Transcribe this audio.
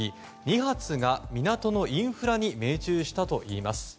２発が港のインフラに命中したといいます。